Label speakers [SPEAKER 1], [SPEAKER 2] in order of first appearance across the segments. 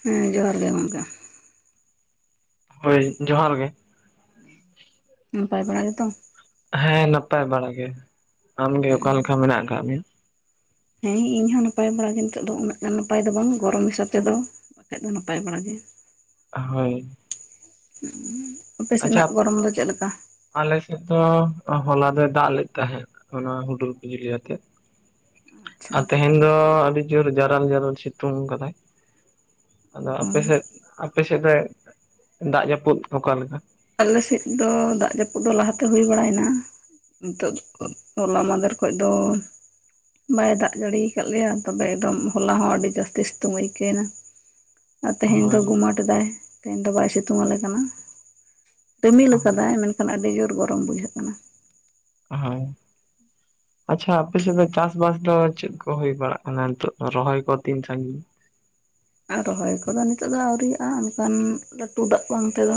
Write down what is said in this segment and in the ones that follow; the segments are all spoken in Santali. [SPEAKER 1] ᱦᱩᱸ ᱡᱚᱦᱟᱨ ᱜᱮ ᱜᱚᱢᱠᱮ
[SPEAKER 2] ᱦᱳᱭ ᱡᱚᱦᱟᱨ ᱜᱮ
[SPEAKER 1] [inaudible] ᱱᱟᱯᱟᱭ ᱵᱟᱲᱟ ᱜᱮᱛᱚ
[SPEAKER 2] ᱦᱮᱸ ᱱᱟᱯᱟᱭ ᱵᱟᱲᱟ ᱜᱮ ᱟᱢᱜᱮ ᱚᱠᱟ ᱞᱮᱠᱟ ᱢᱮᱱᱟᱜ ᱟᱠᱟᱫ ᱢᱮᱭᱟ᱾
[SPEAKER 1] ᱦᱮᱸ ᱤᱧᱦᱚᱸ ᱱᱟᱯᱟᱭ ᱵᱟᱲᱟ ᱜᱮ ᱱᱤᱛᱚᱜ ᱫᱚ ᱩᱱᱟᱹᱜ ᱜᱟᱱ ᱱᱟᱯᱟᱭ ᱫᱚ ᱵᱟᱝ ᱜᱚᱨᱚᱢ ᱦᱤᱥᱟᱹᱵ ᱛᱮᱫᱚ ᱵᱟᱠᱷᱟᱡ ᱫᱚ ᱱᱟᱯᱟᱭ ᱵᱟᱲᱟ ᱜᱮ᱾
[SPEAKER 2] ᱦᱳᱭ
[SPEAKER 1] ᱟᱯᱮ ᱥᱮᱱᱟᱜ ᱜᱚᱨᱚᱢ ᱫᱚ ᱪᱮᱫ ᱞᱮᱠᱟ᱾
[SPEAKER 2] ᱟᱞᱮᱥᱮᱫ ᱫᱚ ᱦᱚᱞᱟ ᱫᱚᱭ ᱫᱟᱜ ᱞᱮᱫ ᱛᱟᱦᱮᱸᱫ ᱦᱚᱞᱟ ᱦᱩᱰᱩᱨ ᱵᱤᱡᱽᱞᱤ ᱟᱛᱮᱫ
[SPEAKER 1] ᱟᱪᱪᱷᱟ
[SPEAKER 2] ᱟᱨ ᱛᱮᱦᱮᱧ ᱫᱚ ᱟᱹᱰᱤ ᱡᱳᱨ ᱡᱟᱨᱟᱞ ᱡᱟᱨᱟᱞ ᱥᱤᱛᱩᱝ ᱠᱟᱫᱟ᱾ ᱟᱫᱚ ᱟᱯᱮ ᱥᱮᱫ ᱟᱯᱮ ᱥᱮᱫ ᱫᱚ ᱫᱟᱜ ᱡᱟᱹᱯᱩᱫ ᱚᱠᱟ ᱞᱮᱠᱟ
[SPEAKER 1] ᱟᱞᱮᱥᱮᱫ ᱫᱚ ᱫᱟᱜ ᱡᱟᱹᱯᱩᱫ ᱫᱚ ᱞᱟᱦᱟᱛᱮ ᱦᱩᱭ ᱵᱟᱲᱟᱭᱮᱱᱟ ᱱᱤᱛᱚᱜ ᱦᱚᱞᱟ ᱢᱟᱫᱷᱮᱨ ᱠᱷᱚᱡ ᱫᱚ ᱵᱟᱭ ᱫᱟᱜ ᱡᱟᱹᱲᱤ ᱠᱟᱫ ᱞᱮᱭᱟ ᱛᱚᱵᱮ ᱮᱠᱫᱚᱢ ᱦᱚᱞᱟ ᱦᱚᱸ ᱟᱹᱰᱤ ᱡᱟᱹᱥᱛᱤ ᱥᱤᱛᱩᱝ ᱟᱹᱭᱠᱟᱹᱣ ᱮᱱᱟ
[SPEAKER 2] [inaudible]
[SPEAKER 1] ᱟᱨ ᱛᱮᱦᱮᱧ ᱫᱚ
[SPEAKER 2] ᱦᱳᱭ
[SPEAKER 1] ᱜᱩᱢᱟᱴ ᱫᱟᱭ ᱛᱮᱦᱮᱧ ᱫᱚ ᱵᱟᱭ ᱥᱤᱛᱩᱝ ᱟᱞᱮ ᱠᱟᱱᱟ᱾ ᱨᱤᱢᱤᱞ
[SPEAKER 2] ᱦᱳᱭ
[SPEAKER 1] ᱟᱠᱟᱫᱟᱭ ᱢᱮᱱᱠᱷᱟᱱ ᱟᱹᱰᱤ ᱡᱳᱨ ᱜᱚᱨᱚᱢ ᱵᱩᱡᱷᱟᱹᱜ ᱠᱟᱱᱟ᱾
[SPEAKER 2] ᱦᱳᱭ ᱟᱪᱪᱷᱟ ᱟᱯᱮᱥᱮᱫ ᱫᱚ ᱪᱟᱥ ᱵᱟᱥ ᱫᱚ ᱪᱮᱫ ᱠᱚ ᱦᱩᱭ ᱵᱟᱲᱟᱜ ᱠᱟᱱᱟ ᱱᱤᱛᱚᱜ ᱨᱚᱦᱚᱭ ᱠᱚ ᱛᱤᱱ ᱥᱟᱸᱜᱤᱧ
[SPEAKER 1] ᱟᱨ ᱨᱚᱦᱚᱭ ᱠᱚᱫᱚ ᱱᱤᱛᱚᱜ ᱫᱚ ᱟᱹᱣᱨᱤᱭᱟᱜ-ᱟ ᱢᱮᱱᱠᱷᱟᱱ ᱞᱟᱹᱴᱩ ᱫᱟᱜ ᱵᱟᱝ ᱛᱮᱫᱚ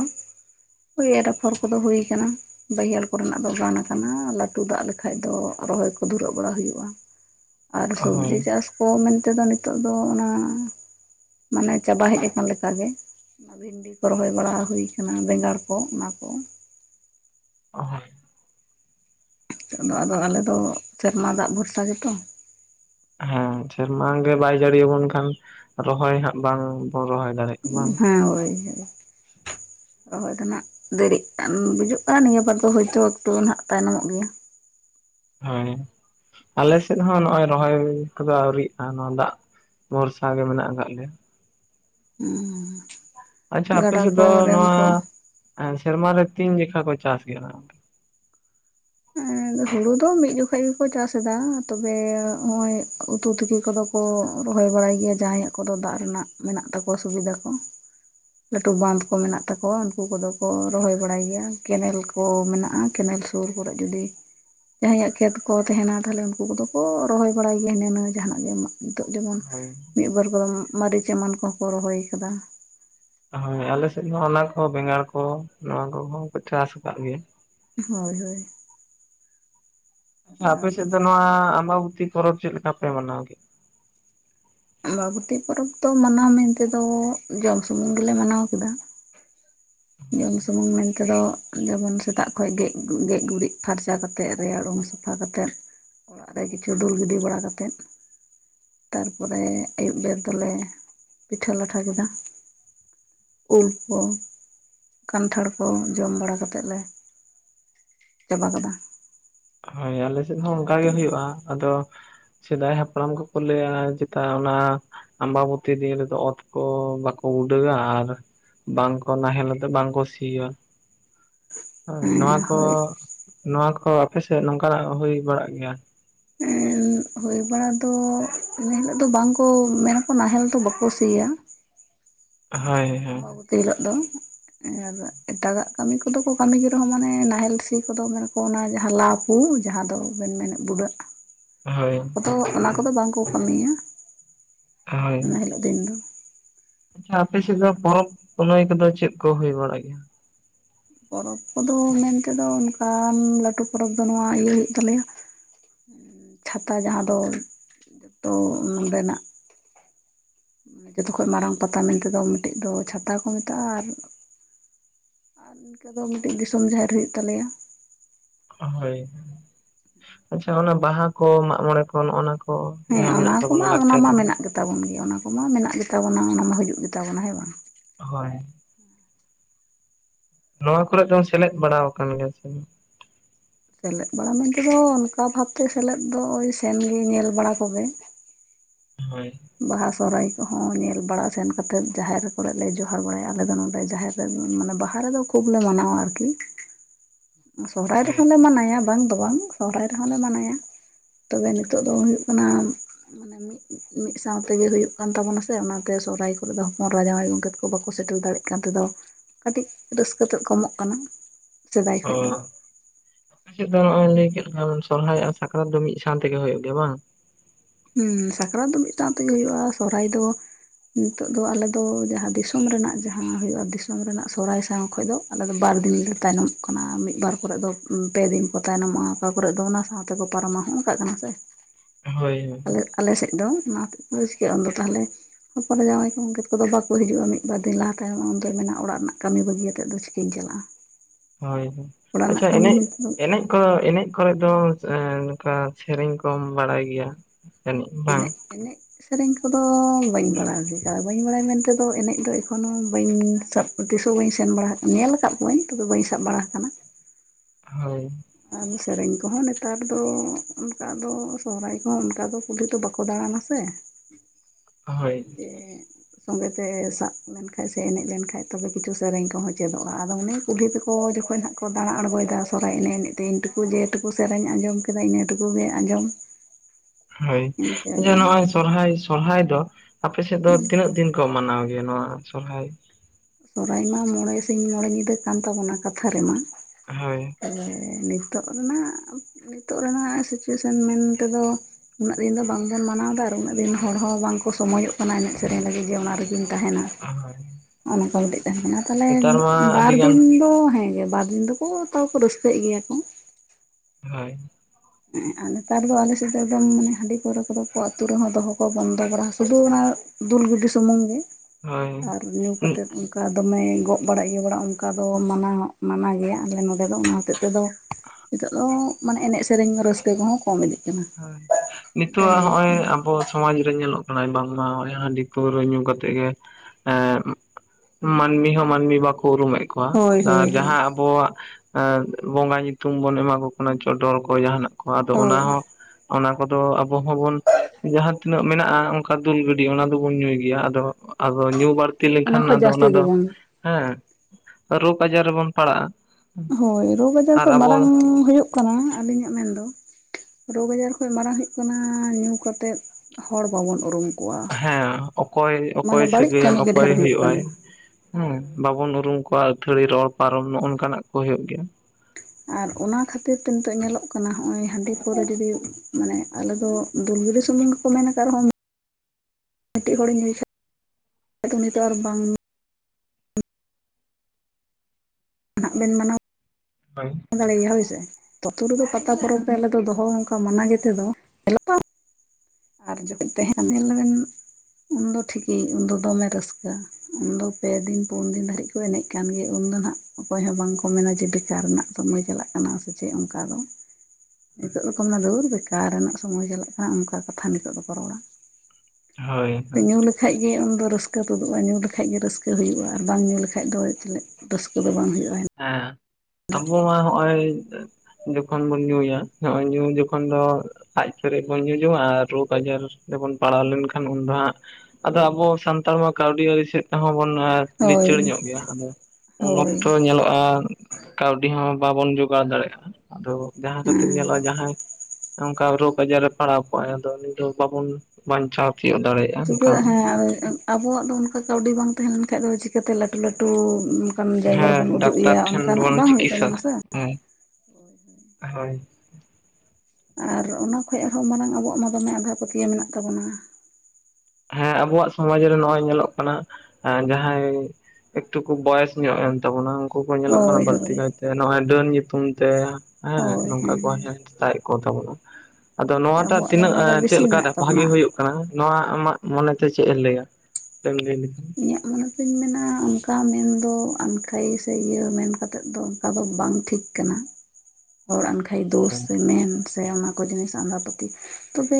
[SPEAKER 1] ᱦᱩᱭ ᱮᱨ ᱟᱯᱷᱚᱨ ᱠᱚᱫᱚ ᱦᱩᱭ ᱠᱟᱱᱟ᱾ ᱵᱟᱹᱭᱦᱟᱹᱲ ᱠᱚᱨᱮᱱᱟᱜ ᱫᱚ ᱜᱟᱱ ᱠᱟᱱᱟ ᱞᱟᱹᱴᱩ ᱫᱟᱜ ᱞᱮᱠᱷᱟᱡ ᱫᱚ ᱨᱚᱦᱚᱭ ᱠᱚ ᱫᱷᱩᱨᱟᱹᱜ ᱵᱟᱲᱟ ᱦᱩᱭᱩᱜ-ᱟ
[SPEAKER 2] [inaudible]
[SPEAKER 1] ᱟᱨ
[SPEAKER 2] ᱦᱳᱭ
[SPEAKER 1] ᱥᱚᱵᱡᱤ ᱪᱟᱥ ᱠᱚ ᱢᱮᱱᱛᱮᱫᱚ ᱱᱤᱛᱚᱜ ᱫᱚ ᱚᱱᱟ ᱢᱟᱱᱮ ᱪᱟᱵᱟ ᱦᱮᱡ ᱟᱠᱟᱱ ᱞᱮᱠᱟ ᱜᱮ ᱵᱷᱤᱱᱰᱤ ᱠᱚ ᱨᱚᱦᱚᱭ ᱵᱟᱲᱟ ᱦᱩᱭ ᱠᱟᱱᱟ ᱵᱮᱸᱜᱟᱲ ᱠᱚ ᱚᱱᱟ ᱠᱚ
[SPEAKER 2] [unintelligible]
[SPEAKER 1] ᱱᱤᱛᱳᱜ ᱫᱚ ᱟᱫᱚ ᱟᱞᱮᱫᱚ ᱥᱮᱨᱢᱟ ᱫᱟᱜ ᱵᱷᱚᱨᱥᱟ ᱜᱮᱛᱚ
[SPEAKER 2] ᱦᱮᱸ ᱥᱮᱨᱢᱟ ᱜᱮ ᱵᱟᱭ ᱡᱟᱹᱲᱤ ᱟᱵᱚᱱ ᱠᱷᱟᱱ ᱨᱚᱦᱚᱭ ᱦᱟᱸᱜ ᱵᱟᱝ ᱨᱚᱦᱚᱭ ᱫᱟᱲᱮᱭᱟᱜᱼᱟ
[SPEAKER 1] ᱦᱮᱸ ᱦᱳᱭ [unintelligible] ᱨᱚᱦᱚᱭ ᱨᱮᱱᱟᱜ ᱫᱮᱨᱤᱜ ᱠᱟᱱ ᱵᱩᱡᱩᱜ ᱠᱟᱱ ᱱᱤᱭᱟᱹᱵᱟᱨ ᱫᱚ ᱦᱳᱭᱛᱳ ᱮᱠᱴᱩ ᱱᱟᱜ ᱛᱟᱭᱱᱚᱢᱚᱜ ᱜᱮᱭᱟ᱾
[SPEAKER 2] ᱦᱳᱭ ᱟᱞᱮ ᱥᱮᱫ ᱦᱚᱸ ᱱᱚᱜ-ᱚᱭ ᱨᱚᱦᱚᱭ ᱠᱚᱫᱚ ᱟᱹᱣᱨᱤᱜ-ᱟ ᱱᱚᱣᱟ ᱫᱟᱜ ᱵᱷᱚᱨᱥᱟ ᱜᱮ ᱢᱮᱱᱟᱜ ᱟᱠᱟᱫ ᱞᱮᱭᱟ ᱟᱪᱪᱷᱟ ᱟᱯᱮ
[SPEAKER 1] ᱜᱟᱰᱟ
[SPEAKER 2] ᱥᱮᱫ
[SPEAKER 1] ᱠᱚ
[SPEAKER 2] ᱫᱚ
[SPEAKER 1] ᱰᱮᱢ
[SPEAKER 2] ᱱᱚᱣᱟ
[SPEAKER 1] ᱠᱚ
[SPEAKER 2] ᱥᱮᱨᱢᱟ ᱨᱮ ᱛᱤᱱ ᱡᱮᱠᱷᱟ ᱠᱚ ᱪᱟᱥ ᱜᱮᱭᱟ?
[SPEAKER 1] ᱮ ᱦᱩᱲᱩ ᱫᱚ ᱢᱤᱫ ᱡᱚᱠᱷᱚᱱ ᱜᱮᱠᱚ ᱪᱟᱥ ᱮᱫᱟ ᱛᱚᱵᱮ ᱦᱚᱜ-ᱚᱭ ᱩᱛᱩ ᱛᱤᱠᱮ ᱠᱚᱫᱚ ᱠᱚ ᱨᱚᱦᱚᱭ ᱵᱟᱲᱟᱭ ᱜᱮᱭᱟ ᱡᱟᱦᱟᱸᱭᱟᱜ ᱠᱚᱫᱚ ᱫᱟᱜ ᱨᱮᱱᱟᱜ ᱢᱮᱱᱟᱜ ᱛᱟᱠᱚᱣᱟ ᱥᱩᱵᱤᱫᱟ ᱠᱚ ᱞᱟᱹᱴᱩ ᱵᱟᱸᱫᱷ ᱠᱚ ᱢᱮᱱᱟᱜ ᱛᱟᱠᱚᱣᱟ ᱩᱱᱠᱩ ᱠᱚᱫᱚ ᱠᱚ ᱨᱚᱦᱚᱭ ᱵᱟᱲᱟᱭ ᱜᱮᱭᱟ ᱠᱮᱱᱮᱞ ᱠᱚ ᱢᱮᱱᱟᱜ-ᱟ ᱠᱮᱱᱮᱞ ᱥᱩᱨ ᱠᱚᱨᱮᱜ ᱡᱩᱫᱤ ᱡᱟᱦᱟᱸᱭᱟᱜ ᱠᱷᱮᱛ ᱠᱚ ᱛᱟᱦᱮᱱᱟ ᱛᱟᱦᱚᱞᱮ ᱩᱱᱠᱩ ᱠᱚᱫᱚ ᱠᱚ ᱨᱚᱦᱚᱭ ᱵᱟᱲᱟᱭ ᱜᱮᱭᱟ ᱦᱤᱱᱟᱹᱱᱤᱭᱟᱹ ᱡᱟᱦᱟᱱᱟᱜ ᱜᱮ ᱢᱟ ᱱᱤᱛᱚᱜ ᱡᱮᱢᱚᱱ
[SPEAKER 2] ᱦᱳᱭ
[SPEAKER 1] ᱢᱤᱫᱵᱟᱨ ᱠᱚᱫᱚ ᱢᱟᱨᱤᱪ ᱮᱢᱟᱱ ᱠᱚᱦᱚᱸ ᱠᱚ ᱨᱚᱦᱚᱭ ᱟᱠᱟᱫᱟ ᱾
[SPEAKER 2] ᱦᱳᱭᱸ ᱟᱞᱮᱥᱮᱫ ᱦᱚᱸ ᱚᱱᱟ ᱠᱚᱦᱚᱸ ᱵᱮᱸᱜᱟᱲ ᱠᱚ ᱱᱚᱣᱟ ᱠᱚᱦᱚᱸ ᱠᱚ ᱪᱟᱥ ᱟᱠᱟᱫ ᱜᱮᱭᱟ ᱾
[SPEAKER 1] ᱦᱳᱭ ᱦᱳᱭ
[SPEAKER 2] ᱟᱪᱪᱷᱟ ᱟᱯᱮ
[SPEAKER 1] ᱟᱨ
[SPEAKER 2] ᱥᱮᱫ ᱫᱚ ᱱᱚᱣᱟ ᱟᱢᱵᱟᱵᱚᱛᱤ ᱯᱚᱨᱚᱵᱽ ᱪᱮᱫ ᱞᱮᱠᱟ ᱯᱮ ᱢᱟᱱᱟᱣ ᱠᱮᱜ
[SPEAKER 1] ᱟᱢᱵᱟᱵᱚᱛᱤ ᱯᱚᱨᱚᱵᱽ ᱫᱚ ᱢᱟᱱᱟᱣ ᱢᱮᱱᱛᱮᱫᱚ ᱡᱚᱢ ᱥᱩᱢᱩᱝ ᱜᱮ-ᱞᱮ ᱢᱟᱱᱟᱣ ᱠᱮᱫᱟ ᱾ ᱡᱚᱢ ᱥᱩᱢᱩᱝ ᱢᱮᱱᱛᱮᱫᱚ ᱡᱮᱢᱚᱱ ᱥᱮᱛᱟᱜ ᱠᱷᱚᱱ ᱜᱮ ᱜᱮᱡ ᱜᱩᱨᱤᱡ ᱯᱷᱟᱨᱪᱟ ᱠᱟᱛᱮᱫ ᱨᱮᱭᱟᱲ ᱩᱢ ᱥᱟᱯᱷᱟ ᱠᱟᱛᱮᱫ᱾ ᱚᱲᱟᱜ ᱨᱮ ᱠᱤᱪᱷᱩ ᱫᱩᱞ ᱜᱤᱰᱤ ᱵᱟᱲᱟ ᱠᱟᱛᱮᱫ ᱛᱟᱨᱯᱚᱨᱮ ᱟᱹᱭᱩᱵ ᱵᱮᱨ ᱫᱚᱞᱮ ᱯᱤᱴᱷᱟᱹ ᱞᱟᱴᱷᱟ ᱠᱮᱫᱟ᱾ ᱩᱞᱯᱷᱚ ᱠᱟᱱᱴᱷᱟᱲ ᱠᱚ ᱡᱚᱢ ᱵᱟᱲᱟ ᱠᱟᱛᱮᱫ ᱞᱮ, ᱪᱟᱵᱟ ᱠᱟᱫᱟ᱾
[SPEAKER 2] ᱦᱳᱭ ᱟᱞᱮ ᱥᱮᱫ ᱦᱚᱸ ᱚᱱᱠᱟ
[SPEAKER 1] ᱟᱢᱵᱟᱵᱚᱛᱤ
[SPEAKER 2] ᱜᱮ
[SPEAKER 1] ᱫᱚ
[SPEAKER 2] ᱦᱩᱭᱩᱜᱼᱟ ᱟᱫᱚ ᱥᱮᱫᱟᱭ ᱦᱟᱯᱲᱟᱢ ᱠᱚᱠᱚ ᱞᱟᱹᱭᱟ ᱪᱮᱛᱟ ᱚᱱᱟ ᱟᱢᱵᱟᱵᱚᱛᱤ ᱫᱤᱱ ᱨᱮᱫᱚ ᱚᱛ ᱠᱚ ᱵᱟᱠᱚ ᱩᱰᱟᱹᱜᱼᱟ ᱟᱨ ᱵᱟᱝᱠᱚ ᱱᱟᱦᱮᱞ ᱛᱮ ᱵᱟᱝᱠᱚ ᱥᱤᱭᱼᱟ᱾ ᱦᱳᱭ ᱱᱚᱣᱟ
[SPEAKER 1] ᱦᱮᱸ
[SPEAKER 2] ᱠᱚ
[SPEAKER 1] ᱦᱳᱭ
[SPEAKER 2] ᱱᱚᱣᱟ ᱠᱚ ᱟᱯᱮ ᱥᱮᱫ ᱱᱚᱝᱠᱟᱱᱟᱜ ᱦᱩᱭ ᱵᱟᱲᱟᱜ ᱜᱮᱭᱟ? [unintelligible]
[SPEAKER 1] ᱦᱩᱭ ᱵᱟᱲᱟ ᱫᱚ ᱤᱱᱟᱹ ᱦᱤᱞᱳᱜ ᱫᱚ ᱵᱟᱝᱠᱚ ᱢᱮᱱᱟᱠᱚ ᱱᱟᱦᱮᱞ ᱫᱚ ᱵᱟᱠᱚ ᱥᱤᱭᱟ ᱾
[SPEAKER 2] ᱦᱳᱭ᱾ ᱦᱳᱭ
[SPEAKER 1] ᱟᱢᱵᱟᱵᱚᱛᱤ ᱦᱤᱞᱳᱜ ᱫᱚ᱾ ᱟᱨ ᱮᱴᱟᱜᱟᱜ ᱠᱟᱹᱢᱤ ᱠᱚᱫᱚ ᱠᱚ ᱠᱟᱹᱢᱤ ᱜᱮ ᱨᱮᱦᱚᱸ ᱢᱟᱱᱮ ᱱᱟᱦᱮᱞ ᱥᱤ ᱠᱚᱫᱚ ᱢᱮᱱ ᱠᱚ ᱚᱱᱟ ᱡᱟᱦᱟᱸ ᱞᱟᱵᱷ ᱦᱩ ᱡᱟᱦᱟᱸ ᱫᱚᱵᱮᱱ ᱢᱮᱱᱮᱫ ᱵᱩᱰᱟᱹᱜ
[SPEAKER 2] ᱦᱳᱭ
[SPEAKER 1] ᱟᱫᱚ ᱚᱱᱟ ᱠᱚᱫᱚ ᱵᱟᱝᱠᱚ ᱠᱟᱹᱢᱤᱭᱟ
[SPEAKER 2] ᱦᱳᱭ
[SPEAKER 1] ᱤᱱᱟ ᱦᱤᱞᱳᱜ ᱫᱤᱱ ᱫᱚ᱾
[SPEAKER 2] ᱟᱯᱮ ᱥᱮᱫ
[SPEAKER 1] ᱟᱨ
[SPEAKER 2] ᱫᱚ ᱯᱚᱨᱚᱵᱽ- ᱯᱩᱱᱟᱹᱭ ᱠᱚᱫᱚ ᱪᱮᱫ ᱠᱚ ᱦᱩᱭ ᱵᱟᱲᱟᱜ ᱜᱮᱭᱟ?
[SPEAKER 1] ᱯᱚᱨᱚᱵᱽ ᱠᱚᱫᱚ ᱢᱮᱱᱛᱮᱫᱚ ᱚᱱᱠᱟᱱ ᱞᱟᱹᱴᱩ ᱯᱚᱨᱚᱵᱽ ᱫᱚ ᱱᱚᱣᱟ ᱤᱭᱟᱹ ᱦᱩᱭᱩᱜ ᱛᱟᱞᱮᱭᱟ ᱪᱷᱟᱛᱟ ᱡᱟᱦᱟᱸ ᱫᱚ ᱛᱚ ᱱᱚᱸᱰᱮᱱᱟᱜ ᱡᱚᱛᱚ ᱠᱷᱚᱡ ᱢᱟᱨᱟᱝ ᱯᱟᱛᱟ ᱢᱮᱱᱛᱮᱫᱚ ᱢᱤᱫᱴᱮᱱ ᱫᱚ ᱪᱷᱟᱛᱟ ᱠᱚ ᱢᱮᱛᱟᱜᱼᱟ ᱟᱨ ᱤᱱᱠᱟᱹ ᱫᱚ ᱢᱤᱫᱴᱤᱡ ᱫᱤᱥᱚᱢ ᱡᱟᱦᱮᱨ ᱦᱩᱭᱩᱜ ᱛᱟᱞᱮᱭᱟ᱾
[SPEAKER 2] ᱦᱳᱭ ᱟᱪᱪᱷᱟ ᱚᱱᱟ ᱵᱟᱦᱟ ᱠᱚ ᱢᱟᱜ ᱢᱚᱬᱮ ᱠᱚ ᱱᱚᱜᱼ ᱚᱱᱟ ᱠᱚ ᱠᱚ ᱡᱟᱦᱟᱸ ᱢᱮᱱᱟᱜ ᱛᱟᱵᱚᱱᱟ ᱞᱟᱠᱪᱟᱨ
[SPEAKER 1] ᱛᱟᱵᱚᱱ ᱜᱮᱭᱟ ᱚᱱᱟ ᱠᱚᱢᱟ ᱢᱮᱱᱟᱜ ᱜᱮᱛᱟᱵᱚᱱᱟ, ᱚᱱᱟ ᱢᱟ ᱦᱩᱭᱩᱜᱩᱜ ᱜᱮᱛᱟᱵᱚᱱᱟ ᱦᱮᱸ ᱵᱟᱝ᱾
[SPEAKER 2] ᱦᱳᱭ᱾ ᱱᱚᱣᱟ ᱠᱚᱨᱮ ᱫᱚᱢ ᱥᱮᱞᱮᱫ ᱵᱟᱲᱟ ᱟᱠᱟᱱ ᱜᱮᱭᱟ ᱥᱮ?
[SPEAKER 1] ᱥᱮᱞᱮᱫ ᱵᱟᱲᱟ ᱢᱮᱱ ᱛᱮᱫᱚ ᱚᱱᱠᱟ ᱵᱷᱟᱵᱛᱮ ᱥᱮᱞᱮᱫ ᱫᱚ ᱳᱭ ᱥᱮᱱ ᱜᱮ, ᱧᱮᱞ ᱵᱟᱲᱟ ᱠᱚᱜᱮ᱾
[SPEAKER 2] ᱦᱳᱭ᱾
[SPEAKER 1] ᱵᱟᱦᱟ ᱥᱚᱨᱦᱟᱭ ᱠᱚᱦᱚᱸ ᱧᱮᱞ ᱵᱟᱲᱟ ᱥᱮᱱ ᱠᱟᱛᱮᱜ ᱡᱟᱦᱮᱨ ᱠᱚᱨᱮ ᱞᱮ ᱡᱚᱦᱟᱨ ᱵᱟᱲᱟᱭᱟ ᱟᱞᱮ ᱫᱚ ᱱᱚᱰᱮ ᱡᱟᱦᱮᱨ ᱢᱟᱱᱮ ᱵᱟᱦᱟ ᱨᱮᱫᱚ ᱠᱷᱩᱵ ᱞᱮ ᱢᱟᱱᱟᱣᱟ ᱟᱨᱠᱤ᱾
[SPEAKER 2] [inaudible]
[SPEAKER 1] ᱥᱚᱦᱚᱨᱟᱭ
[SPEAKER 2] ᱦᱳᱭ
[SPEAKER 1] ᱨᱮᱦᱚ ᱞᱮ ᱢᱟᱱᱟᱭᱟ ᱵᱟᱝ ᱫᱚ ᱵᱟᱝ᱾ ᱥᱚᱦᱚᱨᱟᱭ ᱨᱮᱦᱚᱸ ᱞᱮ ᱢᱟᱱᱟᱭᱟ ᱛᱚᱵᱮ ᱱᱤᱛᱚᱜ ᱫᱚ ᱦᱩᱭᱩᱜ ᱠᱟᱱᱟ ᱢᱤᱫ ᱥᱟᱶ ᱛᱮᱜᱮ ᱦᱩᱭᱩᱜ ᱠᱟᱱ ᱛᱟᱵᱳᱱᱟ ᱥᱮ, ᱚᱱᱟᱛᱮ ᱥᱚᱨᱚᱦᱟᱭ ᱠᱚᱨᱮᱜ ᱫᱚ ᱦᱚᱯᱚᱱ ᱮᱨᱟ ᱡᱟᱶᱟᱭ ᱜᱚᱢᱠᱮᱛ ᱠᱚ ᱵᱟᱠᱚ ᱥᱮᱴᱮᱨ ᱫᱟᱲᱮᱭᱟᱜ ᱠᱟᱱ ᱛᱮ ᱫᱚ ᱠᱟᱹᱴᱤᱡ ᱨᱟᱹᱥᱠᱟᱹ ᱛᱮ ᱠᱚᱢᱚᱜ ᱠᱟᱱᱟ᱾ ᱥᱮᱫᱟᱭ
[SPEAKER 2] ᱚ
[SPEAKER 1] ᱠᱷᱚᱡ ᱫᱚ
[SPEAKER 2] ᱟᱯᱮ ᱥᱮᱫ ᱫᱚ ᱱᱚᱜᱼᱚᱭ ᱞᱟᱹᱭ ᱠᱮᱫ ᱢᱟᱱᱮ ᱥᱚᱨᱦᱟᱹᱭ ᱟᱨ ᱥᱟᱠᱨᱟᱛ ᱫᱚ ᱢᱤᱫ ᱥᱟᱣ ᱛᱮ ᱜᱮ ᱦᱩᱭᱩ ᱚᱜᱮᱭᱟ ᱵᱟᱝ?
[SPEAKER 1] ᱦᱮᱸ ᱥᱟᱠᱨᱟᱛ ᱫᱚ ᱢᱤᱫ ᱥᱟᱣ ᱛᱮᱜᱮ ᱦᱩᱭᱩᱜᱼᱟ, ᱥᱚᱨᱚᱦᱹᱟᱭ ᱫᱚ ᱱᱤᱛᱚᱜ ᱫᱚ ᱟᱞᱮ ᱫᱚ ᱡᱟᱦᱟᱸ ᱫᱤᱥᱚᱢ ᱨᱮᱱᱟᱜ ᱡᱟᱦᱟᱸ ᱦᱩᱭᱩᱜᱼᱟ ᱫᱤᱥᱚᱢ ᱨᱮᱱᱟᱜ ᱥᱚᱨᱦᱟᱹᱭ ᱥᱟᱶ ᱠᱷᱚᱡ ᱫᱚ ᱟᱞᱮᱫᱚ ᱵᱟᱨ ᱫᱤᱱᱞᱮ ᱛᱟᱭᱱᱚᱢᱚᱜ ᱠᱟᱱᱟ, ᱢᱤᱫ ᱵᱟᱨ ᱠᱚᱨᱮᱫ ᱫᱚ ᱯᱮ ᱫᱤᱱ ᱠᱚ ᱛᱟᱭᱱᱚᱢᱚᱜᱼᱟ, ᱚᱠᱟ ᱠᱚᱨᱮᱫ ᱫᱚ ᱚᱱᱟ ᱥᱟᱶᱛᱮ ᱛᱮᱠᱚ ᱯᱟᱨᱚᱢᱟ ᱦᱚ ᱟᱠᱟᱟᱜ ᱠᱟᱱᱟ ᱥᱮ᱾
[SPEAKER 2] ᱦᱳᱭ ᱾
[SPEAKER 1] ᱟᱞᱮ ᱥᱮᱫ ᱫᱚ [unintelligible] ᱛᱟᱦᱚᱞᱮ ᱦᱚᱯᱚᱱ ᱮᱨᱟ ᱡᱟᱶᱟᱭ ᱜᱚᱢᱠᱮ ᱠᱚᱦᱚ ᱵᱟᱠᱚ ᱦᱤᱡᱩᱜᱼᱟ ᱢᱤᱫ ᱵᱟᱨ ᱫᱤᱱ ᱞᱟᱦᱟ ᱛᱟᱭᱚᱢᱱ ᱚᱱᱛᱮ ᱢᱮᱱᱟᱜᱼᱟ ᱚᱲᱟᱜ ᱨᱮᱱᱟᱜ ᱠᱟᱹᱢᱤ ᱵᱟᱹᱜᱤ ᱠᱟᱛᱮᱫ ᱫᱚ ᱪᱤᱠᱟᱹᱧ ᱪᱟᱞᱟᱜᱼᱟ᱾
[SPEAKER 2] ᱦᱳᱭ
[SPEAKER 1] ᱚᱲᱟᱜ ᱨᱮᱱᱟᱜ
[SPEAKER 2] ᱟᱪᱪᱷᱟ
[SPEAKER 1] ᱠᱟᱹᱢᱤ
[SPEAKER 2] ᱮᱱᱮᱡ
[SPEAKER 1] ᱢᱮᱱᱛᱮ ᱫᱚ
[SPEAKER 2] ᱮᱱᱮᱡᱼᱼ ᱠᱚ ᱮᱱᱮᱡ ᱠᱚᱨᱮ ᱫᱚ ᱮ ᱱᱚᱝᱠᱟ ᱥᱮᱨᱮᱧ ᱠᱚᱢ ᱵᱟᱲᱟᱭ ᱜᱮᱭᱟ᱾ ᱡᱟᱹᱱᱤᱡ ᱵᱟᱝ?
[SPEAKER 1] ᱮᱱᱮᱡ ᱮᱱᱮᱡ ᱥᱮᱨᱮᱧ ᱠᱚᱫᱚ ᱵᱟᱹᱧ ᱵᱟᱲᱟᱭ ᱪᱤᱠᱟᱹᱼᱟ ᱵᱟᱹᱧ ᱵᱟᱲᱟᱭᱟ ᱢᱮᱱᱛᱮᱫᱚ ᱮᱱᱮᱡ ᱫᱚ ᱮᱠᱷᱚᱱᱚ ᱵᱟᱹᱧ ᱥᱟᱵᱼᱼ ᱛᱤᱥ ᱦᱚᱸ ᱵᱟᱹᱧ ᱥᱮᱱ ᱵᱟᱲᱟ ᱟᱠᱟᱫ ᱠᱚᱣᱟᱹᱧ ᱛᱚᱵᱮ ᱵᱟᱹᱧ ᱥᱟᱵ ᱵᱟᱲᱟ ᱟᱠᱟᱱᱟ᱾
[SPEAKER 2] ᱦᱳᱭ
[SPEAKER 1] ᱟᱫᱚ ᱥᱮᱨᱮᱧ ᱠᱚᱦᱚᱸ ᱱᱮᱛᱟᱨ ᱫᱚ ᱚᱱᱠᱟ ᱫᱚ ᱥᱚᱦᱨᱟᱭ ᱠᱚᱦᱚᱸ ᱚᱱᱠᱟ ᱫᱚ ᱠᱩᱞᱦᱤ ᱛᱮ ᱵᱟᱠᱚ ᱫᱟᱲᱟᱱᱟ ᱠᱚ ᱥᱮ᱾
[SPEAKER 2] ᱦᱳᱭ
[SPEAKER 1] ᱡᱮᱻ ᱥᱚᱸᱜᱮᱛᱮ ᱥᱟᱵ ᱞᱮᱱᱠᱟᱱᱡ ᱥᱮ ᱮᱱᱮᱡ ᱞᱮᱱᱠᱟᱱᱡ ᱛᱚᱵᱮ ᱠᱤᱪᱷᱩ ᱥᱮᱨᱮᱧ ᱠᱚᱦᱚᱸ ᱪᱮᱫᱚᱜᱼᱟ ᱟᱫᱚ ᱚᱱᱮᱼ ᱠᱩᱞᱦᱤ ᱛᱟᱠᱚ ᱡᱚᱠᱷᱚᱱ ᱦᱟᱸᱟᱜ ᱠᱚ ᱫᱟᱬᱟ ᱟᱬᱜᱚᱭᱮᱫ ᱥᱚᱨᱟᱭ ᱮᱱᱮᱡ ᱛᱮᱧ ᱴᱩᱠᱩ ᱡᱮᱴᱩᱠᱩ ᱥᱮᱨᱮᱧ ᱟᱸᱡᱚᱢ ᱠᱮᱫ ᱠᱮᱫᱟᱭ ᱤᱱᱟᱹ ᱴᱩᱠᱩ ᱜᱮ ᱟᱸᱡᱚᱢᱼᱼ
[SPEAKER 2] ᱦᱳᱭ ᱟᱪᱪᱷᱟ ᱱᱚᱜᱼᱚᱭ ᱥᱚᱨᱦᱟᱭ ᱥᱚᱨᱦᱟᱭ ᱫᱚ ᱟᱯᱮ ᱥᱮᱫ ᱫᱚ ᱛᱤᱱᱟᱹᱜ ᱫᱤᱱᱼᱼ ᱠᱚ ᱢᱟᱱᱟᱣ ᱜᱮᱭᱟ ᱱᱚᱣᱟ ᱥᱚᱨᱦᱟᱹᱭ᱾
[SPEAKER 1] ᱥᱚᱨᱦᱟᱹᱭ ᱢᱟ ᱢᱚᱬᱮ ᱥᱤᱧ ᱢᱚᱬᱮ ᱧᱤᱫᱟᱹ ᱠᱟᱱ ᱛᱟᱵᱚᱱᱟ ᱠᱟᱛᱷᱟ ᱨᱮᱢᱟ᱾
[SPEAKER 2] ᱦᱳᱭ
[SPEAKER 1] ᱱᱤᱛᱚᱜ ᱨᱮᱱᱟᱜ ᱱᱤᱛᱚᱜ ᱨᱮᱱᱟᱜ ᱥᱤᱪᱩᱭᱮᱥᱚᱱ ᱢᱮᱱ ᱛᱮ ᱫᱚ ᱩᱱᱟᱹᱜ ᱫᱤᱱ ᱫᱚ ᱵᱟᱝᱵᱚᱱ ᱢᱟᱱᱟᱣᱫᱟ ᱟᱨ ᱩᱱᱟᱹᱜ ᱫᱤᱱ ᱦᱚᱲ ᱦᱚᱸ ᱵᱟᱝᱠᱚ ᱥᱚᱢᱚᱡᱚᱜ ᱠᱟᱱᱟ ᱮᱱᱮᱡ ᱥᱮᱨᱮᱧ ᱞᱟᱹᱜᱤᱫ ᱡᱮ ᱚᱱᱟ ᱨᱮᱜᱮᱤᱧ ᱛᱟᱦᱮᱱᱟ᱾
[SPEAKER 2] ᱦᱚ ᱦᱳᱭ
[SPEAKER 1] ᱱᱚ ᱱᱚᱠᱟ ᱠᱟᱹ ᱛᱟᱦᱮᱸ ᱠᱟᱱᱟ ᱛᱟᱦᱚᱞᱮ
[SPEAKER 2] ᱱᱮᱛᱟᱨ ᱢᱟ
[SPEAKER 1] ᱵᱟᱨ
[SPEAKER 2] ᱟᱹᱰᱤ ᱜᱟᱱ
[SPEAKER 1] ᱫᱤᱱ ᱫᱚ ᱦᱮᱸ ᱜᱮ ᱵᱟᱨ ᱫᱤᱱ ᱫᱚ ᱦᱮ ᱜᱮ ᱚ ᱛᱟᱣᱠᱚ ᱨᱟᱹᱥᱠᱟᱹᱭᱮᱫ ᱜᱮᱭᱟ ᱠᱚ
[SPEAKER 2] ᱦᱳᱭ
[SPEAKER 1] ᱦᱮᱸ ᱟᱨ ᱱᱮᱛᱟᱨ ᱫᱚ ᱟᱞᱮ ᱥᱮᱫ ᱫᱚ ᱮᱠᱫᱚᱢ ᱢᱟᱱᱮ ᱦᱟᱹᱰᱤ ᱯᱟᱹᱨ ᱠᱚᱫᱚ ᱟ ᱟᱹᱛᱩ ᱨᱮᱦᱚᱸ ᱫᱚᱦᱚ ᱠᱚ ᱵᱚᱱᱫᱚ ᱠᱟᱫᱟ ᱥᱩᱫᱷᱩ ᱚᱱᱟ᱾ ᱫᱩᱞ ᱜᱤᱰᱤ ᱥᱩᱢᱩᱝ ᱜᱮ
[SPEAKER 2] ᱦᱳᱭ᱾
[SPEAKER 1] ᱟᱨ ᱧᱩ ᱠᱟᱛᱮᱫ ᱚᱱᱠᱟ᱾ ᱚᱱᱠᱟ ᱫᱚᱢᱮ ᱜᱚᱜ ᱵᱟᱲᱟᱭ ᱤᱭᱟᱹ ᱵᱟᱲᱟᱜᱼᱟ ᱚᱱᱠᱟᱫᱚ ᱢᱟᱱᱟᱣ ᱢᱟᱱᱟ ᱜᱮᱭᱟ ᱟᱞᱮ ᱱᱚᱰᱮ ᱫᱚ ᱚᱱᱟ ᱦᱚᱛᱮᱫ ᱛᱮ ᱫᱚ᱾ ᱱᱤᱛᱳᱜ ᱫᱚ ᱢᱟᱱᱮ ᱮᱱᱮᱡ ᱥᱮᱨᱮᱧ ᱨᱟᱹᱥᱠᱟᱹ ᱠᱚᱦᱚᱸ ᱠᱚᱢ ᱤᱫᱤᱜ ᱠᱟᱱᱟ᱾
[SPEAKER 2] ᱦᱳᱭ ᱱᱤᱛᱳᱜ
[SPEAKER 1] ᱚᱱᱠᱟ ᱧᱮᱞᱚᱜ
[SPEAKER 2] ᱦᱚᱸᱜᱼᱚᱭ
[SPEAKER 1] ᱠᱟᱱᱟ
[SPEAKER 2] ᱟᱵᱚᱼᱼ ᱥᱚᱢᱟᱡ ᱨᱮ ᱧᱮᱞᱚᱜ ᱠᱟᱱᱟ ᱵᱟᱝᱢᱟᱜᱼ ᱦᱟᱺᱰᱤ ᱯᱟᱹᱣᱨᱟᱹ ᱧᱩ ᱠᱟᱛᱮᱫ ᱜᱮ ᱮᱸᱻ ᱢᱟᱹᱱᱢᱤ ᱦᱚᱸ ᱢᱟᱹᱱᱢᱤ ᱵᱟᱠᱚ ᱩᱨᱩᱢᱮᱫ ᱠᱚᱣᱟ
[SPEAKER 1] ᱦᱳᱭ ᱦᱳᱭ ᱦᱳᱭ
[SPEAKER 2] ᱡᱟᱦᱟᱸ ᱟᱵᱚᱣᱟᱜ᱾ ᱵᱚᱸᱜᱟ ᱧᱩᱛᱩᱢ ᱵᱚᱱ ᱮᱢᱟ ᱠᱚ ᱠᱟᱱᱟ ᱪᱚᱰᱚᱨ ᱠᱚ ᱡᱟᱦᱟ ᱱᱟᱜ ᱠᱚ ᱟᱫᱚ ᱚᱱᱟ
[SPEAKER 1] ᱦᱳᱭ
[SPEAKER 2] ᱦᱚᱸ ᱚᱱᱟ ᱠᱚᱫᱚ ᱟᱵᱚ ᱦᱚᱸᱵᱚᱱ ᱡᱟᱦᱟᱸ ᱛᱤᱱᱟᱹᱜᱼᱼ ᱢᱮᱱᱟᱜᱼᱟ ᱚᱱᱠᱟ ᱫᱩᱞ ᱜᱟᱹᱰᱤ ᱚᱱᱟ ᱫᱚᱵᱚᱱ ᱧᱩᱭ ᱜᱮᱭᱟ ᱟᱫᱚ ᱟᱫᱚ ᱧᱩ ᱵᱟᱨᱛᱤ ᱵᱟᱲᱛᱤ ᱞᱮᱱ ᱠᱷᱟᱱ
[SPEAKER 1] ᱠᱷᱚᱡ
[SPEAKER 2] ᱟᱫᱚ ᱚᱱᱟ
[SPEAKER 1] ᱡᱟᱹᱥᱛᱤ
[SPEAKER 2] ᱫᱚ
[SPEAKER 1] ᱵᱟᱝ
[SPEAKER 2] ᱦᱮᱸ ᱨᱳᱜ ᱟᱡᱟᱨ ᱨᱮᱵᱚᱱ ᱯᱟᱲᱟᱜᱼᱟ᱾
[SPEAKER 1] ᱦᱳᱭ ᱨᱳᱜᱽ ᱟᱡᱟᱨ
[SPEAKER 2] ᱟᱨ
[SPEAKER 1] ᱠᱷᱚᱱ ᱢᱟᱨᱟᱝ
[SPEAKER 2] ᱟᱵᱚ
[SPEAKER 1] ᱦᱩᱭᱩᱜ ᱠᱟᱱᱟ ᱟᱹᱞᱤᱧᱟᱜ ᱢᱮᱱ ᱫᱚ ᱨᱳᱜᱽ ᱟᱡᱟᱨ ᱠᱷᱚᱱ ᱢᱟᱲᱟᱝ ᱦᱩᱭᱩᱜ ᱠᱟᱱᱟ ᱧᱩ ᱠᱟᱛᱮᱫ ᱦᱚᱲ ᱵᱟᱵᱚᱱ ᱩᱨᱩᱢᱚ᱾
[SPEAKER 2] ᱦᱮᱸ ᱚᱠᱚᱭ ᱚᱠᱚᱭ
[SPEAKER 1] ᱵᱟᱹᱲᱤᱡ
[SPEAKER 2] ᱥᱟᱹᱜᱟᱹᱭᱟᱱ
[SPEAKER 1] ᱠᱟᱹᱢᱤ ᱜᱮ ᱰᱷᱮᱨ
[SPEAKER 2] ᱚᱠᱚᱭᱼᱮ ᱦᱩᱭᱩᱜ
[SPEAKER 1] ᱠᱟᱱᱟ
[SPEAKER 2] ᱟᱭ᱾ ᱦᱮᱸ ᱵᱟᱵᱚᱱ ᱩᱨᱩᱢ ᱠᱚᱣᱟ ᱟᱹᱛᱷᱟᱹᱲᱤ ᱨᱚᱲ ᱯᱟᱨᱚᱢ ᱱᱚᱝᱠᱟᱱᱟᱜ ᱠᱚ ᱦᱩᱭᱩᱜ ᱜᱮᱭᱟ᱾
[SPEAKER 1] ᱟᱨ ᱚᱱᱟ ᱠᱷᱟᱹᱛᱤᱨ ᱛᱮ ᱱᱤᱛᱚᱜ ᱧᱮᱞᱚᱜ ᱠᱟᱱᱟ ᱱᱚᱜᱼᱚᱭ ᱦᱟᱹᱰᱤ ᱯᱟᱹᱣᱨᱟᱹ ᱡᱩᱫᱤᱼᱼ ᱢᱟᱱᱮ ᱟᱞᱮ ᱫᱚ ᱫᱩᱞᱜᱤᱨᱤ ᱥᱩᱢᱩᱝ ᱜᱮᱠᱚ ᱢᱮ ᱟᱠᱟᱫ ᱨᱮᱦᱚᱸ ᱢᱤᱫᱴᱤᱡ ᱦᱚᱲᱤᱧ ᱧᱩᱭ ᱠᱮᱫ ᱩᱱᱤ ᱫᱚ ᱟᱨ ᱵᱟᱝᱼᱼ ᱱᱟᱦᱟᱜ ᱵᱮᱱ ᱢᱟᱱᱟᱣ
[SPEAKER 2] ᱦᱳᱭ
[SPEAKER 1] ᱫᱟᱲᱮᱭᱟᱜ ᱦᱳᱭᱥᱮ ᱟᱛᱳ ᱨᱮᱫᱚ ᱯᱟᱛᱟ ᱯᱚᱨᱚᱵᱽ ᱫᱚ ᱟᱞᱮ ᱫᱚᱦᱚ ᱚᱱᱠᱟ ᱢᱟᱱᱟ ᱜᱮ ᱛᱮᱫᱚ ᱟᱨ ᱡᱚᱫᱤ ᱛᱟᱦᱮᱸᱱᱟ ᱵᱮᱱ ᱩᱱᱫᱚ ᱴᱷᱤᱠ ᱜᱮ ᱩᱱᱫᱚ ᱫᱚᱢᱮ ᱨᱟᱹᱥᱠᱟᱹ ᱩᱱᱫᱚ ᱯᱮ ᱫᱤᱱ ᱯᱩᱱ ᱫᱤᱱ ᱫᱷᱟᱹᱨᱤᱡ ᱠᱚ ᱮᱱᱮᱡ ᱠᱟᱱᱜᱮ ᱩᱱᱫᱚ ᱦᱟᱜ ᱚᱠᱚᱭ ᱦᱚᱸ ᱵᱟᱝ ᱠᱚ ᱢᱮᱱᱟ ᱡᱮ ᱵᱮᱠᱟᱨ ᱨᱮᱱᱟᱜᱼᱼ ᱥᱚᱢᱚᱭ ᱪᱟᱞᱟᱜ ᱠᱟᱱᱟ ᱥᱮ ᱪᱮᱫ ᱚᱱᱠᱟ ᱫᱚ, ᱱᱤᱛᱳᱜ ᱫᱚᱠᱚ ᱢᱮᱱᱟ ᱫᱷᱩᱨ ᱵᱮᱠᱟᱨ ᱨᱮᱱᱟᱜ ᱥᱚᱢᱚᱭ ᱪᱟᱞᱟᱜ ᱠᱟᱱᱟ ᱚᱱᱠᱟ ᱠᱟᱛᱷᱟ ᱱᱤᱛᱳᱜ ᱫᱚᱠᱚ ᱨᱚᱲᱟ
[SPEAKER 2] ᱦᱳᱭ ᱦᱳᱭ
[SPEAKER 1] ᱧᱩ ᱞᱮᱠᱷᱟᱡ ᱜᱮ ᱩᱱᱫᱚ ᱨᱟᱹᱥᱠᱟᱹ ᱛᱩᱫᱩᱜ-ᱟ ᱧᱩ ᱞᱮᱠᱷᱟᱡ ᱜᱮ ᱨᱟᱹᱥᱠᱟᱹ ᱦᱩᱭᱩᱜ-ᱟ ᱟᱨ ᱵᱟᱝ ᱧᱩ ᱞᱮᱠᱷᱟᱡ ᱫᱚ ᱨᱟᱹᱥᱠᱟᱹ ᱫᱚ ᱵᱟᱝ ᱦᱩᱭᱩᱜ-ᱟ ᱦᱮᱸ
[SPEAKER 2] ᱦᱮᱸ ᱟᱵᱚ ᱢᱟ ᱦᱚᱜ-ᱚᱭ, ᱡᱚᱠᱷᱚᱱ ᱵᱚᱱ ᱧᱩᱭᱟ ᱱᱚᱜ-ᱚᱭ ᱧᱩ ᱡᱚᱠᱷᱚᱱ ᱫᱚ, ᱞᱟᱡ ᱯᱮᱨᱮᱡ ᱵᱚᱱ ᱧᱩ ᱡᱚᱢᱟ ᱟᱨ ᱨᱳᱜᱽ ᱟᱡᱟᱨ ᱛᱮᱵᱚᱱ ᱯᱟᱲᱟᱣ ᱞᱮᱱᱠᱷᱟᱱ ᱩᱱ ᱫᱚ ᱦᱟᱸᱜ ᱟᱫᱚ ᱟᱵᱚ ᱥᱟᱱᱛᱟᱲ ᱢᱟ ᱠᱟᱹᱣᱰᱤ ᱟᱹᱨᱤ ᱥᱮᱫ ᱛᱮᱦᱚᱸ ᱵᱚᱱ
[SPEAKER 1] ᱦᱳᱭ
[SPEAKER 2] ᱞᱤᱪᱟᱹᱲ ᱧᱚᱜ ᱜᱮᱭᱟ ᱟᱫᱚ ᱩᱱ
[SPEAKER 1] ᱦᱳᱭ
[SPEAKER 2] ᱚᱠᱛᱚ ᱧᱮᱞᱚᱜ-ᱟ ᱠᱟᱣᱰᱤ ᱦᱚᱸ ᱵᱟᱵᱚᱱ ᱡᱚᱜᱟᱲ ᱫᱟᱲᱮᱭᱟᱜ-ᱟ ᱟᱫᱚ ᱡᱟᱦᱟᱸ ᱠᱷᱟᱹᱛᱤᱨ
[SPEAKER 1] ᱦᱮᱸ
[SPEAKER 2] ᱧᱮᱞᱚᱜ-ᱟ ᱡᱟᱦᱟᱸᱭ, ᱚᱱᱠᱟ ᱨᱳᱜᱽ ᱟᱡᱟᱨ ᱨᱮ ᱯᱟᱲᱟᱣ ᱠᱚᱜ-ᱟᱭ ᱟᱫᱚ ᱩᱱᱤ ᱫᱚ ᱵᱟᱵᱚᱱ ᱵᱟᱧᱪᱟᱣ ᱛᱤᱭᱳᱜ ᱫᱟᱲᱮ
[SPEAKER 1] ᱪᱤᱠᱟᱹᱜ ᱦᱮᱸ ᱟᱵᱚᱣᱟᱜ ᱫᱚ ᱚᱱᱠᱟ ᱠᱟᱹᱣᱰᱤ ᱵᱟᱝ ᱛᱟᱦᱮᱸ ᱞᱮᱱᱠᱷᱟᱱ ᱫᱚ ᱪᱤᱠᱟᱹ ᱛᱮ ᱞᱟᱹᱴᱩ ᱞᱟᱹᱴᱩ ᱚᱱᱠᱟᱱ ᱡᱟᱭᱜᱟ ᱨᱮᱵᱚᱱ
[SPEAKER 2] ᱦᱮᱸ
[SPEAKER 1] ᱩᱫᱩᱜ ᱮᱭᱟ ᱚᱱᱠᱟ ᱱᱟᱜ ᱵᱟᱝ ᱦᱩᱭᱩᱜ ᱛᱟᱵᱚᱱᱟ ᱥᱮ
[SPEAKER 2] ᱦᱩᱸ ᱦᱳᱭ
[SPEAKER 1] ᱟᱨ ᱚᱱᱟ ᱠᱷᱚᱡ ᱦᱚᱸ ᱢᱟᱨᱟᱝ ᱟᱵᱚᱣᱟᱜ ᱢᱟ ᱫᱚᱢᱮ ᱟᱸᱫᱷᱟ ᱯᱟᱹᱛᱭᱟᱹᱣ ᱢᱮᱱᱟᱜ ᱛᱟᱵᱚᱱᱟ,
[SPEAKER 2] ᱦᱮᱸ ᱟᱵᱚᱣᱟᱜ ᱥᱚᱢᱟᱡᱽ ᱨᱮ ᱱᱚᱜ-ᱚᱭ ᱧᱮᱞᱚᱜ ᱠᱟᱱᱟ ᱡᱟᱦᱟᱸᱭ, ᱮᱠᱴᱩᱠᱩ ᱵᱚᱭᱮᱥ ᱧᱚᱜ ᱮᱱ ᱛᱟᱵᱚᱱᱟ, ᱩᱱᱠᱩ ᱠᱚ ᱧᱮᱞᱚᱜ ᱠᱟᱱᱟ
[SPEAKER 1] ᱦᱳᱭ
[SPEAKER 2] ᱵᱟᱹᱲᱛᱤ
[SPEAKER 1] ᱦᱳᱭ
[SPEAKER 2] ᱠᱟᱭᱛᱮ ᱱᱚᱜ-ᱚᱭ ᱰᱟᱹᱱ ᱧᱩᱛᱩᱢ ᱛᱮ ᱦᱮᱸ
[SPEAKER 1] ᱦᱳᱭ
[SPEAKER 2] ᱱᱚᱝᱠᱟ
[SPEAKER 1] ᱦᱮᱸ
[SPEAKER 2] ᱠᱚ ᱦᱮᱱᱚᱥᱛᱟᱭᱮᱫ ᱠᱚ ᱛᱟᱵᱚᱱᱟ ᱟᱫᱚ ᱱᱚᱣᱟᱴᱟᱜ
[SPEAKER 1] ᱟᱵᱚᱣᱟᱜ ᱫᱚ
[SPEAKER 2] ᱛᱤᱱᱟᱹᱜ
[SPEAKER 1] ᱚᱱᱟ ᱫᱚ
[SPEAKER 2] ᱮᱸ ᱪᱮᱫ
[SPEAKER 1] ᱵᱮᱥᱤ
[SPEAKER 2] ᱞᱮᱠᱟ
[SPEAKER 1] ᱢᱮᱱᱟᱜ
[SPEAKER 2] ᱨᱮ ᱵᱷᱟᱜᱤ
[SPEAKER 1] ᱛᱟᱵᱚᱱᱟ
[SPEAKER 2] ᱦᱩᱭᱩᱜ, ᱠᱟᱱᱟ ᱱᱚᱣᱟ ᱟᱢᱟᱜ ᱢᱚᱱᱮᱛᱮ ᱪᱮᱫ ᱮ ᱞᱟᱹᱭᱟ ᱠᱟᱴᱤᱡ ᱮᱢᱞᱟᱹᱭ ᱞᱮᱠᱷᱟᱱ,
[SPEAKER 1] ᱤᱧᱟᱹᱜ ᱢᱚᱱᱮ ᱛᱤᱧ ᱢᱮᱱᱟ, ᱚᱱᱠᱟ ᱢᱮᱱᱫᱚ ᱟᱱᱠᱷᱟᱹᱭ ᱥᱮ ᱤᱭᱟᱹ ᱢᱮᱱ ᱠᱟᱛᱮᱫ ᱫᱚ ᱚᱱᱠᱟ ᱫᱚ ᱵᱟᱝ ᱴᱷᱤᱠ ᱠᱟᱱᱟ, ᱦᱚᱲ ᱟᱱᱠᱷᱟᱭ ᱫᱳᱥ ᱥᱮ ᱢᱮᱱ ᱥᱮ ᱚᱱᱟ ᱠᱚ ᱡᱤᱱᱤᱥ ᱟᱸᱫᱷᱟ ᱯᱟᱹᱛᱭᱟᱹᱣ, ᱛᱚᱵᱮ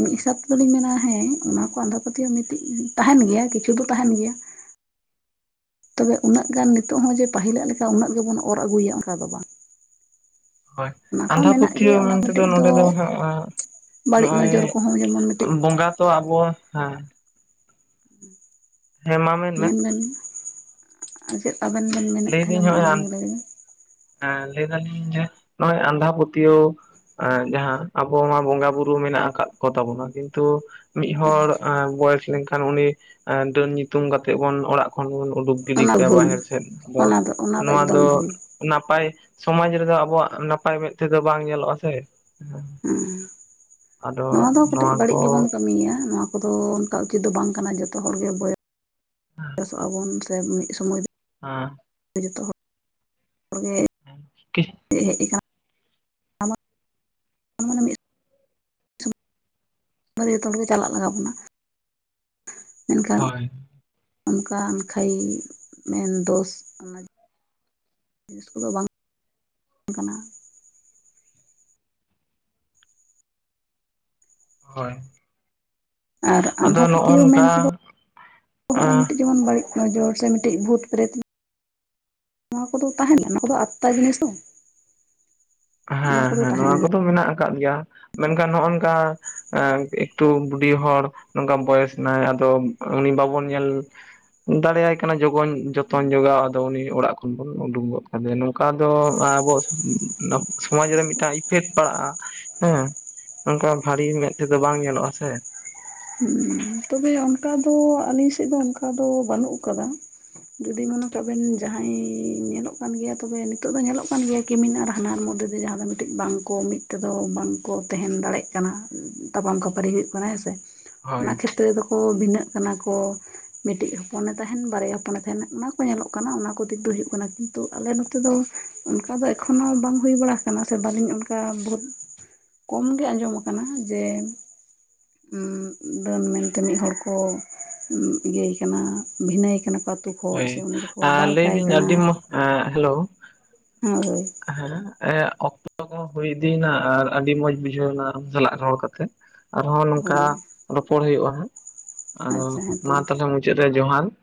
[SPEAKER 1] ᱢᱤᱫ ᱦᱤᱥᱟᱹᱵ ᱛᱮᱫᱚᱞᱤᱧ ᱢᱮᱱᱟ ᱦᱮᱸ ᱚᱱᱟ ᱠᱚ ᱟᱸᱫᱷᱟ ᱯᱟᱹᱛᱭᱟᱹᱣ ᱢᱤᱫᱴᱤᱡ ᱛᱟᱦᱮᱱ ᱜᱮᱭᱟ ᱠᱤᱪᱷᱩ ᱫᱚ ᱛᱟᱦᱮᱸᱱ ᱜᱮᱭᱟ, ᱛᱚᱵᱮ ᱩᱱᱟᱹᱜ ᱜᱟᱱ ᱱᱤᱛᱚᱜ ᱦᱚᱸ ᱡᱮ ᱯᱟᱹᱤᱞᱟᱜ ᱞᱮᱠᱟ ᱩᱱᱟᱹᱜ ᱜᱮᱵᱚᱱ ᱚᱨ ᱟᱹᱜᱩᱭᱟ ᱚᱱᱠᱟ ᱫᱚ ᱵᱟᱝ,
[SPEAKER 2] ᱦᱳᱭ
[SPEAKER 1] ᱚᱱᱟ ᱠᱚ
[SPEAKER 2] ᱟᱸᱫᱷᱟ
[SPEAKER 1] ᱢᱮᱱᱟᱜ
[SPEAKER 2] ᱯᱟᱹᱛᱭᱟᱹᱣ
[SPEAKER 1] ᱜᱮᱭᱟ ᱚᱱᱟ
[SPEAKER 2] ᱢᱮᱱ ᱛᱮᱫᱚ
[SPEAKER 1] ᱢᱤᱫᱴᱤᱡ
[SPEAKER 2] ᱱᱚᱸᱰᱮ ᱫᱚ ᱦᱟᱜ
[SPEAKER 1] ᱵᱟᱹᱲᱤᱡ
[SPEAKER 2] ᱱᱚᱜ-ᱚᱭ
[SPEAKER 1] ᱱᱚᱡᱚᱨ ᱠᱚᱦᱚᱸ ᱡᱮᱢᱚᱱ ᱢᱤᱫᱴᱤᱡ
[SPEAKER 2] ᱵᱚᱸᱜᱟ ᱛᱚ ᱟᱵᱚ ᱦᱮᱸ ᱦᱮᱸ ᱢᱟ ᱢᱮᱱᱢᱮ
[SPEAKER 1] ᱢᱮᱱ ᱵᱮᱱ ᱪᱮᱫ ᱟᱵᱮᱱ ᱵᱮᱱ ᱢᱮᱱᱮᱫ
[SPEAKER 2] ᱞᱟᱹᱭᱫᱟᱹᱧ
[SPEAKER 1] ᱛᱟᱦᱮᱱᱟ ᱢᱟ
[SPEAKER 2] ᱱᱚᱜ-ᱚᱭ
[SPEAKER 1] ᱟᱵᱮᱱ ᱜᱮ ᱞᱟᱹᱭ ᱵᱮᱱ
[SPEAKER 2] ᱞᱟᱹᱭ ᱫᱟᱞᱤᱧ ᱡᱮ ᱱᱚᱜ-ᱚᱭ ᱟᱸᱫᱷᱟ ᱯᱟᱹᱛᱭᱟᱹᱣ ᱮᱸ ᱡᱟᱦᱟᱸ ᱟᱵᱚ ᱢᱟ ᱵᱚᱸᱜᱟ ᱵᱩᱨᱩ ᱢᱮᱱᱟᱜ ᱟᱠᱟᱫ ᱠᱚ ᱛᱟᱵᱚᱱᱟ ᱠᱤᱱᱛᱩ, ᱢᱤᱫ ᱦᱚᱲ ᱵᱚᱭᱮᱥ ᱞᱮᱱᱠᱷᱟᱱ ᱩᱱᱤ ᱰᱟᱹᱱ ᱧᱩᱛᱩᱢ ᱠᱟᱛᱮᱜ ᱵᱩᱱ ᱚᱲᱟᱜ ᱠᱷᱚᱱ ᱵᱩᱱ ᱩᱰᱩᱠ, ᱜᱤᱰᱤ
[SPEAKER 1] ᱚᱱᱟ
[SPEAKER 2] ᱠᱟᱭᱟ
[SPEAKER 1] ᱵᱷᱩᱞ
[SPEAKER 2] ᱵᱟᱦᱮᱨ ᱥᱮᱫ ᱟᱫᱚ
[SPEAKER 1] ᱚᱱᱟ ᱫᱚ ᱚᱱᱟ
[SPEAKER 2] ᱱᱚᱣᱟ ᱫᱚ,
[SPEAKER 1] ᱮᱠᱫᱚᱢ ᱵᱷᱩᱞ
[SPEAKER 2] ᱱᱟᱯᱟᱭ ᱥᱚᱢᱟᱡᱽ ᱨᱮᱫᱚ ᱟᱵᱚᱣᱟᱜ ᱱᱟᱯᱟᱭ ᱢᱮᱫ ᱛᱮᱫᱚ ᱵᱟᱝ ᱧᱮᱞᱚᱜ-ᱟ ᱥᱮ,
[SPEAKER 1] ᱦᱩᱸ
[SPEAKER 2] ᱟᱫᱚ
[SPEAKER 1] ᱱᱚᱣᱟ ᱫᱚ ᱠᱟᱹᱴᱤᱡ ᱵᱟᱹᱲᱤᱡ
[SPEAKER 2] ᱠᱚ
[SPEAKER 1] ᱜᱮᱵᱚᱱ ᱠᱟᱹᱢᱤᱭᱟ ᱱᱚᱣᱟ, ᱠᱚᱫᱚ ᱚᱱᱠᱟ ᱩᱪᱤᱛ ᱫᱚ ᱵᱟᱝ ᱠᱟᱱᱟ ᱡᱚᱛᱚ ᱦᱚᱲᱜᱮ ᱵᱚᱭᱮ ᱥᱚᱜ-ᱟ ᱵᱚᱱ ᱥᱮ ᱢᱤᱫ ᱥᱚᱢᱚᱭ ᱫᱚ,
[SPEAKER 2] ᱦᱮᱸ
[SPEAKER 1] ᱡᱚᱛᱚ ᱦᱚᱲ ᱦᱚᱲᱜᱮ ᱦᱮᱡ ᱟᱠᱟᱱᱟ ᱚᱱᱟ ᱢᱟᱱᱮ ᱢᱤᱫ ᱡᱚᱛᱚ ᱦᱚᱲ ᱜᱮ ᱪᱟᱞᱟᱜ ᱞᱟᱜᱟᱣ ᱟᱵᱚᱱᱟ ᱢᱮᱱᱠᱷᱟᱱ,
[SPEAKER 2] ᱦᱳᱭ
[SPEAKER 1] ᱚᱱᱠᱟᱱ ᱠᱷᱟᱭᱤ ᱢᱮᱱᱫᱳᱥ ᱚᱱᱟ ᱡᱤᱱᱤᱥ ᱠᱚᱫᱚ ᱵᱟᱝ ᱠᱟᱱᱟ
[SPEAKER 2] ᱦᱳᱭ
[SPEAKER 1] ᱟᱨ
[SPEAKER 2] ᱟᱫᱚ
[SPEAKER 1] ᱟᱸᱫᱷᱟ
[SPEAKER 2] ᱱᱚᱜᱼᱚ
[SPEAKER 1] ᱯᱟᱹᱛᱭᱟᱹᱣ
[SPEAKER 2] ᱱᱚᱝᱠᱟ
[SPEAKER 1] ᱢᱮᱱᱛᱮᱫᱚ ᱦᱚᱸᱜᱼᱚᱭ
[SPEAKER 2] ᱮᱸ
[SPEAKER 1] ᱢᱤᱫᱴᱤᱡ, ᱡᱮᱢᱚᱱ ᱵᱟᱹᱲᱤᱡ ᱱᱚᱡᱚᱨ ᱥᱮ ᱢᱤᱫᱴᱮᱱ ᱵᱷᱩᱛ ᱯᱨᱨᱮᱛ ᱾ ᱱᱚᱣᱟ ᱠᱚᱫᱚ ᱛᱟᱦᱮᱸᱱ ᱜᱮᱭᱟ ᱱᱚᱣᱟ ᱠᱚᱫᱚ ᱟᱛᱛᱟ ᱡᱤᱱᱤᱥ ᱛᱚ ᱚᱱᱟ
[SPEAKER 2] ᱦᱮᱸ
[SPEAKER 1] ᱠᱚᱫᱚ
[SPEAKER 2] ᱦᱮᱸ
[SPEAKER 1] ᱛᱟᱦᱮᱱ
[SPEAKER 2] ᱱᱚᱣᱟ
[SPEAKER 1] ᱜᱮᱭᱟ
[SPEAKER 2] ᱠᱚᱫᱚ ᱢᱮᱱᱟᱜ ᱟᱠᱟᱫ ᱜᱮᱭᱟ ᱢᱮᱱᱠᱷᱟᱱ ᱱᱚᱜ-ᱚᱝᱠᱟ ᱮ ᱮᱠᱴᱩ ᱵᱩᱰᱷᱤ ᱦᱚᱲ ᱱᱚᱝᱠᱟ ᱵᱚᱭᱮᱥ ᱮᱱᱟᱭ ᱟᱫᱚ ᱩᱱᱤ ᱵᱟᱵᱚᱱ ᱧᱮᱞ ᱫᱟᱲᱮᱭᱟᱭ ᱠᱟᱱᱟ ᱡᱚᱜᱚᱧ ᱡᱚᱛᱚᱧ ᱡᱚᱜᱟᱣ ᱟᱫᱚ ᱩᱱᱤ ᱚᱲᱟᱜ ᱠᱷᱚᱱ ᱵᱚᱱ ᱩᱰᱩᱜ ᱜᱚᱜ ᱠᱟᱫᱮᱭᱟ ᱾ ᱚᱠᱟ ᱫᱚ ᱟᱵᱚᱣᱟᱜ ᱥᱚᱢᱟᱡ ᱨᱮ ᱢᱤᱫᱴᱟᱝ ᱤᱯᱷᱮᱠᱴ ᱯᱟᱲᱟᱜ-ᱟ ᱦᱮᱸ ᱱᱚᱝᱠᱟ ᱵᱷᱟᱞᱤ ᱢᱮᱫ ᱛᱮᱫᱚ ᱵᱟᱝ ᱧᱮᱞᱚᱜ-ᱟ ᱥᱮ
[SPEAKER 1] ᱦᱩᱸ ᱛᱚᱵᱮ ᱚᱱᱠᱟ ᱫᱚ ᱟᱹᱞᱤᱧ ᱥᱮᱫ ᱫᱚ ᱚᱱᱠᱟ ᱫᱚ ᱵᱟᱹᱱᱩᱜ ᱟᱠᱟᱫᱟ ᱾ ᱡᱩᱫᱤ ᱢᱚᱱᱮ ᱠᱟᱜ ᱵᱮᱱ ᱡᱟᱦᱟᱸᱭ ᱧᱮᱞᱚᱜ ᱠᱟᱱ ᱜᱮᱭᱟ ᱛᱚᱵᱮ ᱱᱤᱛᱚᱜ ᱫᱚ ᱧᱮᱞᱚᱜ ᱠᱟᱱ ᱜᱮᱭᱟ ᱠᱤᱢᱤᱱ ᱟᱨ ᱦᱟᱱᱦᱟᱨ ᱢᱚᱫᱽᱫᱷᱮ ᱡᱟᱦᱟᱸ ᱫᱚ ᱢᱤᱫᱴᱮᱱ ᱵᱟᱝ ᱠᱚ ᱢᱤᱫ ᱛᱮᱫᱚ ᱵᱟᱝ ᱠᱚ ᱛᱟᱦᱮᱱ ᱫᱟᱲᱮᱭᱟᱜ ᱠᱟᱱᱟ᱾ ᱛᱟᱯᱟᱢ ᱠᱷᱟᱯᱟᱹᱨᱤ ᱦᱩᱭᱩᱜ ᱠᱟᱱᱟ ᱦᱮᱸᱥᱮ
[SPEAKER 2] ᱦᱳᱭ
[SPEAKER 1] ᱚᱱᱟ ᱠᱷᱮᱛᱨᱮ ᱫᱚᱠᱚ ᱵᱷᱤᱱᱟᱹᱜ ᱠᱟᱱᱟ ᱠᱚ ᱾ ᱢᱤᱫᱴᱤᱡ ᱦᱚᱯᱚᱱᱮ ᱛᱟᱦᱮᱱ ᱵᱟᱨᱭᱟ ᱦᱚᱯᱚᱱᱮ ᱛᱟᱦᱮᱱ ᱚᱱᱟ ᱠᱚ ᱧᱮᱞᱚᱜ ᱠᱟᱱᱟ ᱚᱱᱟ ᱠᱚ ᱫᱤᱠ ᱫᱚ ᱦᱩᱭᱩᱜ ᱠᱟᱱᱟ᱾ ᱛᱚ ᱟᱞᱮ ᱱᱚᱛᱮ ᱫᱚ ᱚᱱᱠᱟ ᱫᱚ ᱮᱠᱷᱳᱱᱳ ᱵᱟᱝ ᱦᱩᱭ ᱵᱟᱲᱟ ᱠᱟᱱᱟ ᱥᱮ ᱵᱟᱹᱞᱤᱧ ᱚᱱᱠᱟ ᱠᱚᱢ ᱜᱮ ᱟᱸᱡᱚᱢ ᱟᱠᱟᱱᱟ ᱡᱮ ᱰᱟᱹᱱ ᱢᱮᱱ ᱛᱮ ᱢᱤᱫ ᱦᱚᱲ ᱠᱚ ᱤᱭᱟᱹ ᱮ ᱠᱟᱱᱟ ᱵᱷᱤᱱᱟᱹ ᱮ ᱠᱟᱱᱟ ᱟᱛᱩ
[SPEAKER 2] ᱦᱳᱭ ᱞᱟᱹᱭᱫᱟᱹᱧ ᱟᱹᱰᱤ ᱢᱚᱡᱽ ᱦᱮᱞᱳ
[SPEAKER 1] ᱦᱳᱭ
[SPEAKER 2] ᱦᱮᱸ ᱚᱠᱛᱚ ᱦᱩᱭ ᱤᱫᱤᱭᱱᱟ ᱟᱨ ᱟᱹᱰᱤ ᱢᱚᱸᱡᱽ ᱵᱩᱡᱷᱟᱹᱣ ᱮᱱᱟ ᱟᱢ ᱥᱟᱞᱟᱜ ᱨᱚᱲ ᱠᱟᱛᱮ ᱾ ᱟᱨᱦᱚᱸ ᱱᱚᱝᱠᱟ
[SPEAKER 1] ᱦᱳᱭ
[SPEAKER 2] ᱨᱚᱯᱚᱲ ᱦᱩᱭᱩᱜ-ᱟ ᱦᱟᱸᱜ ᱟᱫᱚ
[SPEAKER 1] ᱟᱪᱪᱷᱟ ᱦᱮᱸᱛᱚ
[SPEAKER 2] ᱢᱟ
[SPEAKER 1] ᱴᱷᱤᱠ
[SPEAKER 2] ᱛᱟᱦᱚᱞᱮ ᱢᱩᱪᱟᱹᱫ ᱨᱮ ᱡᱚᱦᱟᱨ ᱾